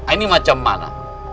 ini macam mana